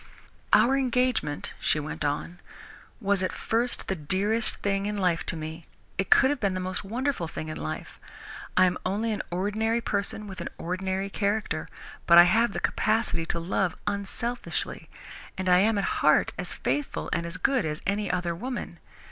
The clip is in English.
"Our engagement," she went on, "was at first the dearest thing in life to me. It could have been the most wonderful thing in life. I am only an ordinary person with an ordinary character, but I have the capacity to love unselfishly, and I am at heart as faithful and as good as any other woman.